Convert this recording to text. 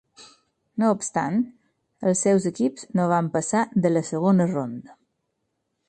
No obstant, els seus equips no van passar de la segona ronda.